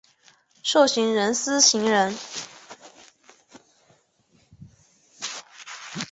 授行人司行人。